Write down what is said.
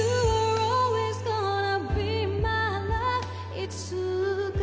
「いつか」